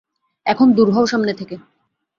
এখন দুর হও সামনে থেকে।